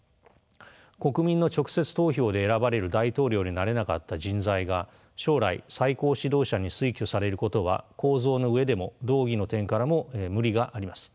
国民の直接投票で選ばれる大統領になれなかった人材が将来最高指導者に推挙されることは構造の上でも道義の点からも無理があります。